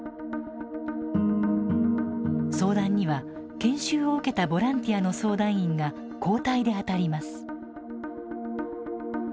相談には研修を受けたボランティアの相談員が交代で当たります。